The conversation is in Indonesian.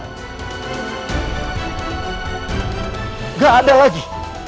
enggak ada lagi